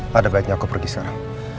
pada baiknya aku pergi sekarang